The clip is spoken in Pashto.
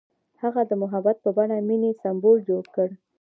هغه د محبت په بڼه د مینې سمبول جوړ کړ.